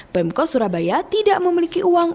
pemkot surabaya tidak memiliki uang